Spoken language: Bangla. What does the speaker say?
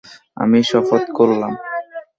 আমি শপথ করলাম!